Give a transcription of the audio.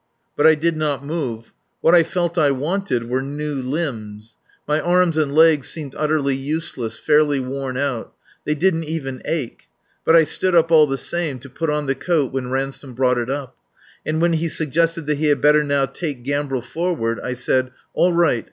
But I did not move. What I felt I wanted were new limbs. My arms and legs seemed utterly useless, fairly worn out. They didn't even ache. But I stood up all the same to put on the coat when Ransome brought it up. And when he suggested that he had better now "take Gambril forward," I said: "All right.